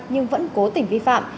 nhưng vẫn cố tình vi phạm